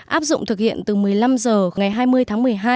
áp dụng thực hiện từ một mươi năm h ngày hai mươi tháng một mươi hai